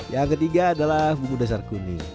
yang ketiga adalah bumbu dasar kuning